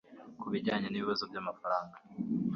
Ku bijyanye n'ibibazo by'amafaranga